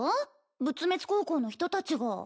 仏滅高校の人たちが。